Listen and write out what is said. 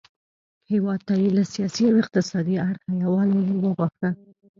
هیواد ته یې له سیاسي او اقتصادي اړخه یووالی وروباښه.